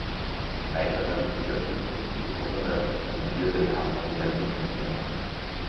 Ein weiterer wichtiger Punkt ist die besondere und differenzierte Behandlung der Entwicklungsländer.